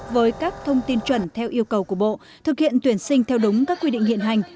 với các thông tin chuẩn theo yêu cầu của bộ thực hiện tuyển sinh theo đúng các quy định hiện hành